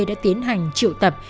đã tiến hành triệu tập